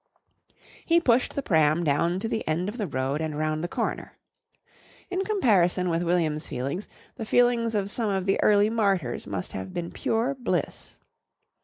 He pushed the pram down to the end of the road and round the corner. In comparison with William's feelings, the feelings of some of the early martyrs must have been pure bliss.